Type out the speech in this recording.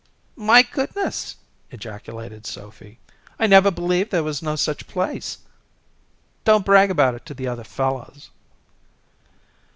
"My goodness!" ejaculated Sophy. "I never believed there was no such place. Don't brag about it to the other fellows."